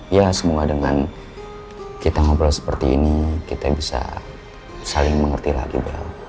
iya semoga dengan kita ngobrol seperti ini kita bisa saling mengerti lagi bel